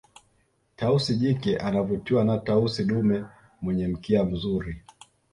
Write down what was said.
tausi jike anavutiwa na tausi dume mwenye mkia mzuri